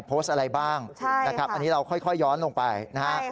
โพสต์อะไรบ้างนะครับอันนี้เราค่อยย้อนลงไปนะฮะ